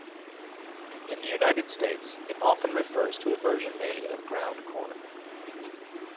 In the United States, it often refers to a version made of ground corn.